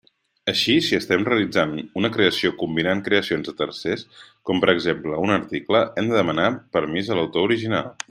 Així, si estem realitzant una creació combinant creacions de tercers, com per exemple un article, hem de demanar permís a l'autor original.